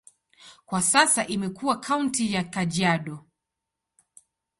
Kwa sasa imekuwa kaunti ya Kajiado.